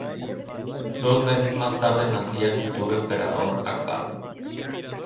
Dos meses más tarde nacía el futuro emperador Akbar.